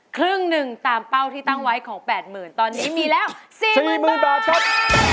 ครึ่งหนึ่งตามเป้าที่ตั้งไว้ของ๘๐๐๐ตอนนี้มีแล้ว๔๐๐๐บาทครับ